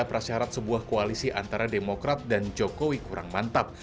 prasyarat sebuah koalisi antara demokrat dan jokowi kurang mantap